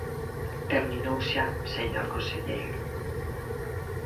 Terminou xa, señor conselleiro.